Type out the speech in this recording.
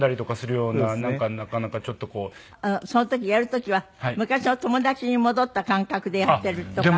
その時やる時は昔の友達に戻った感覚でやってるとか？